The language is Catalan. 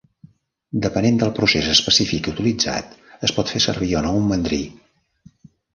Depenent del procés específic utilitzat, es pot fer servir o no un mandrí.